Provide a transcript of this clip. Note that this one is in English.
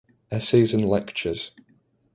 Essays and lectures